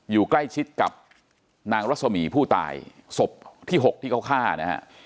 อยู่ใกล้ชิดกับนางรัศมีผู้ตายศพที่๖ที่เขาฆ่านะฮะ